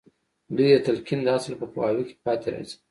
دوی د تلقين د اصل په پوهاوي کې پاتې راځي.